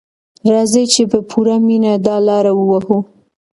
راځئ چې په پوره مینه دا لاره ووهو.